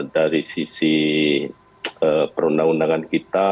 dari sisi perundang undangan kita